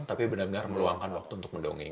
tapi benar benar meluangkan waktu untuk mendongeng